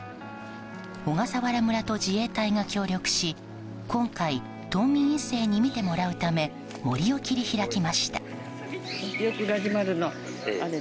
小笠原村と自衛隊が協力し今回、島民１世に見てもらうため森を切り開きました。